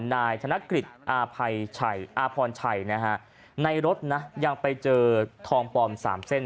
นายธนกฤษอาภัยชัยอาพรชัยนะฮะในรถนะยังไปเจอทองปลอมสามเส้น